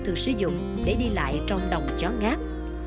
thường sử dụng để đi lại trong đồng chó ngát